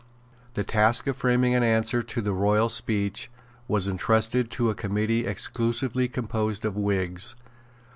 The task of framing an answer to the royal speech was entrusted to a Committee exclusively composed of Whigs.